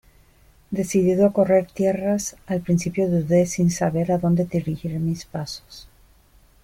decidido a correr tierras, al principio dudé sin saber a dónde dirigir mis pasos: